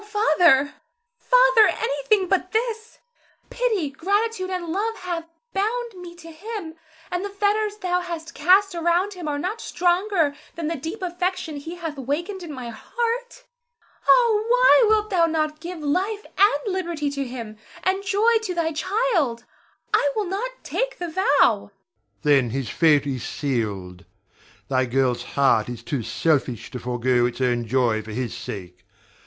Oh, Father, Father, anything but this! Pity, gratitude, and love have bound me to him, and the fetters thou hast cast around him are not stronger than the deep affection he hath wakened in my heart. Ah, why wilt thou not give life and liberty to him, and joy to thy child? I will not take the vow. Ber. Then his fate is sealed. Thy girl's heart is too selfish to forego its own joy for his sake.